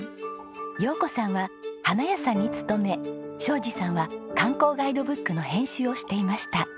陽子さんは花屋さんに勤め将次さんは観光ガイドブックの編集をしていました。